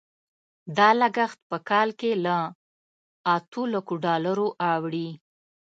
دا لګښت په کال کې له اتو لکو ډالرو اوړي.